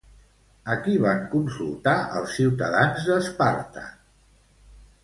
A qui van consultar els ciutadans d'Esparta?